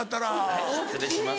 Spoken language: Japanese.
はい失礼します。